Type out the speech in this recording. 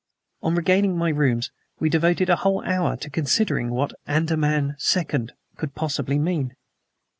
On regaining my rooms, we devoted a whole hour to considering what "ANDAMAN SECOND" could possibly mean.